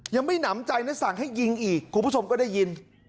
ยังไม่หนำใจนะสั่งให้ยิงอีกคุณผู้ชมก็ได้ยิน